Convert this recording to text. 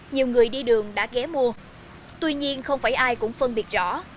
nhiều người đi đường đã ghé mua tuy nhiên không phải ai cũng phân biệt rõ